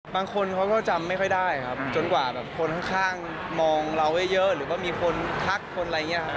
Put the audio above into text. บางคนเขาก็จำไม่ค่อยได้ครับจนกว่าแบบคนข้างมองเราเยอะหรือว่ามีคนทักคนอะไรอย่างนี้ครับ